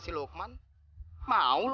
aku e inkas